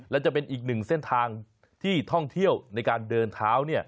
และจะเป็นอีกหนึ่งเส้นทางที่ท่องเที่ยวในการเดินเท้า